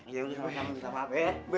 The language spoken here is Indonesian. iya udah sama sama be